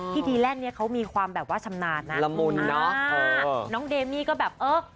ดีแลนด์เนี้ยเขามีความแบบว่าชำนาญนะละมุนเนอะน้องเดมี่ก็แบบเออ